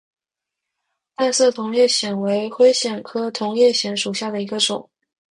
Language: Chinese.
淡色同叶藓为灰藓科同叶藓属下的一个种。